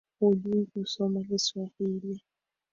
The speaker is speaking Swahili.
Hujui kusoma Kiswahili.